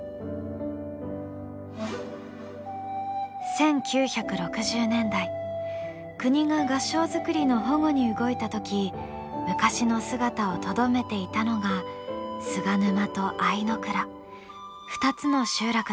１９６０年代国が合掌造りの保護に動いた時昔の姿をとどめていたのが菅沼と相倉２つの集落だった。